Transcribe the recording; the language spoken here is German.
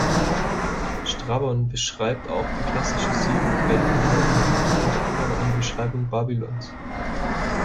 Strabon beschreibt auch die klassischen sieben Weltwunder und liefert unter anderem eine Beschreibung Babylons.